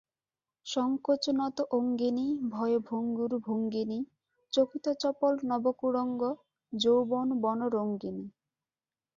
সংকোচনত-অঙ্গিণী, ভয়ভঙ্গুরভঙ্গিনী, চকিতচপল নবকুরঙ্গ যৌবনবনরঙ্গিণী।